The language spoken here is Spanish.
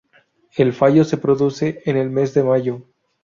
El fallo se produce en el mes de mayo.